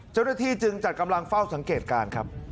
เจ้าหน้าที่จึงจัดกำลังเฝ้าสังเกตการณ์ครับ